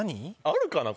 あるかな？